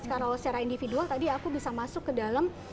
kalau secara individual tadi aku bisa masuk ke dalam